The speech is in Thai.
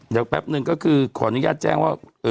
เดี๋ยวแป๊บนึงก็คือขออนุญาตแจ้งว่า